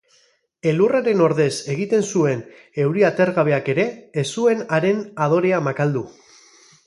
Elurraren ordez egiten zuen euri atergabeak ere ez zuen haren adorea makaldu.